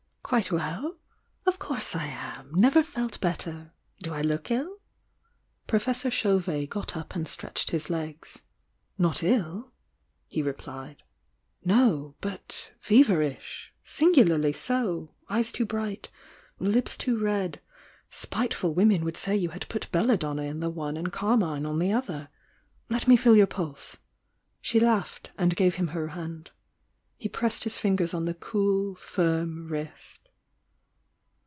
"Quite well? Of course I am! Never felt better I Do I look ill?" Professor Chauvet got up and stretched his legs. "Not ill," he replied,— "No,— but feverish! Sin gularly so! Eyes too brigh tulips too red,— spiteful women Aould say you had put belladonna in the one and carmine on the other! Let me feel your pulse!" She laughed, and gave him her hand. He pressed his fingers on the cool, firm wrist.